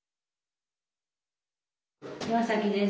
岩崎です。